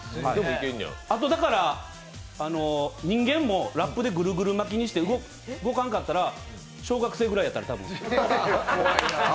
あと、だから人間もラップでぐるぐる巻きにして動かんかったら、小学生ぐらいだったら、多分。